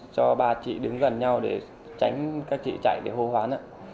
cho ba chị đứng gần nhau để tránh các chị chạy để hô hoán ạ